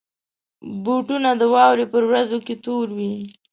بوټونه د واورې پر ورځو کې تور وي.